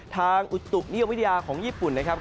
อุตุนิยมวิทยาของญี่ปุ่นนะครับ